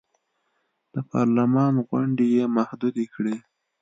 د پارلمان غونډې یې محدودې کړې.